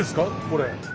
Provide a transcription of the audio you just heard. これ。